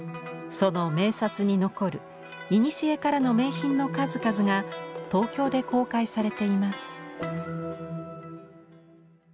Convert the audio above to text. その名刹に残るいにしえからの名品の数々が東京で公開されています。